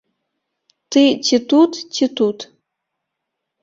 Ты ці тут, ці тут.